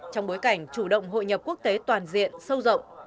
trong bối cảnh chủ động hội nhập quốc tế toàn diện sâu rộng